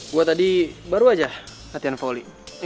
gue tadi baru aja latihan volley